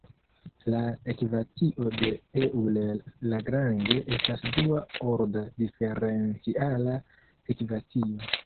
La ekvacio de Euler–Lagrange estas dua-orda diferenciala ekvacio.